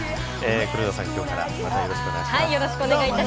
黒田さん、きょうからまたよろしくお願いします。